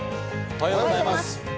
おはようございます。